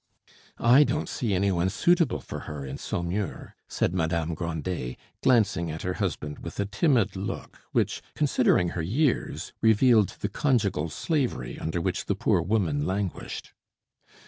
"I don't see any one suitable for her in Saumur," said Madame Grandet, glancing at her husband with a timid look which, considering her years, revealed the conjugal slavery under which the poor woman languished.